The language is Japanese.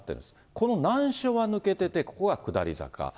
この難所は抜けてて、ここは下り坂。